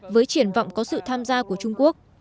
với triển vọng có sự tham gia của trung quốc